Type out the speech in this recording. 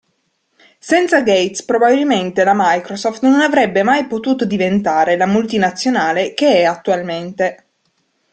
Senza Gates probabilmente la Microsoft non avrebbe mai potuto diventare la multinazionale che è attualmente.